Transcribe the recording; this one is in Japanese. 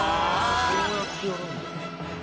こうやってやるんだ。